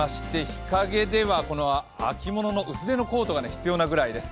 日陰では秋物の薄手のコートが必要なぐらいです。